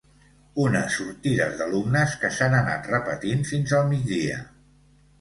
Unes sortides d’alumnes que s’han anat repetint fins al migdia.